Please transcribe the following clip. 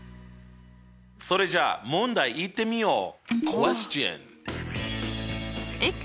それじゃあ問題いってみよう！